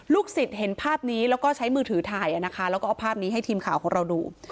ศิษย์เห็นภาพนี้แล้วก็ใช้มือถือถ่ายนะคะแล้วก็เอาภาพนี้ให้ทีมข่าวของเราดู